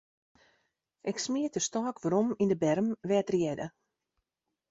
Ik smiet de stôk werom yn 'e berm, dêr't er hearde.